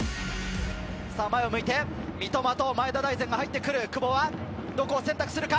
さあ、前を向いて、三笘と前田大然が入ってくる、久保はどこを選択するか。